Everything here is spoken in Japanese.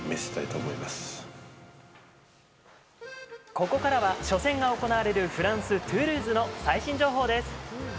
ここからは初戦が行われるフランス・トゥールーズの最新情報です。